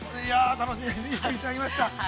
楽しんでいただきました。